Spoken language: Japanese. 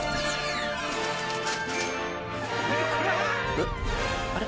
おっあれ？